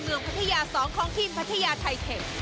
เมืองพัทยาสองของทีมพัทยาไทเทป